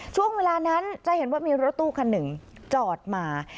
ช่วงเวลานั้นจะเห็นว่ามีรถตู้คันหนึ่งจอดมา